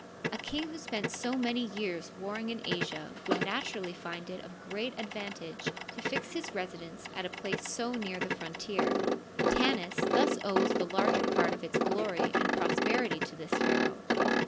A king who spent so many years warring in Asia would naturally find it of great ad vantage to fix his residence at a place so near the frontier. Tanis thus owes the larger part of its glory and prosper ity to this pharaoh.